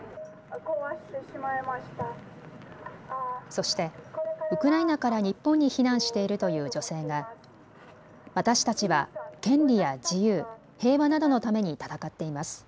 そしてウクライナから日本に避難しているという女性が私たちは権利や自由、平和などのために戦っています。